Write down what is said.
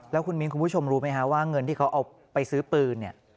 แล้วคุณมิ้นคุณผู้ชมรู้ไหมคะว่าเงินที่เขาเอาไปซื้อปืนเนี่ย